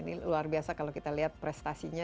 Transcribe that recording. ini luar biasa kalau kita lihat prestasinya